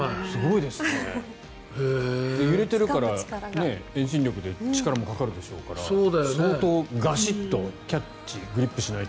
揺れてるから遠心力で力もかかるでしょうから相当ガシッとキャッチグリップしないと。